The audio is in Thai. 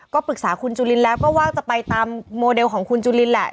ก็ปรึกษาคุณจุลินแล้วก็ว่าจะไปตามโมเดลของคุณจุลินแหละ